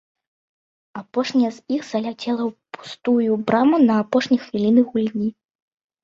Апошняя з іх заляцела ў пустую браму на апошняй хвіліне гульні.